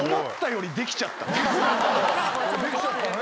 できちゃったね。